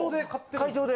会場で。